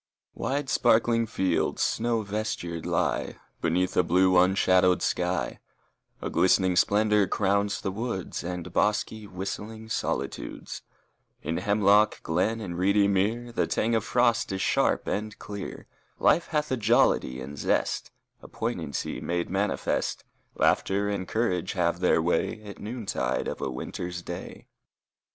II Wide, sparkling fields snow vestured lie Beneath a blue, unshadowed sky; A glistening splendor crowns the woods And bosky, whistling solitudes; In hemlock glen and reedy mere The tang of frost is sharp and clear; Life hath a jollity and zest, A poignancy made manifest; Laughter and courage have their way At noontide of a winter's day.